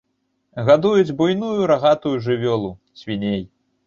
Гадуюць буйную рагатую жывёлу, свіней.